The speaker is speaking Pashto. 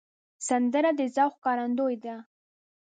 سندره د ذوق ښکارندوی ده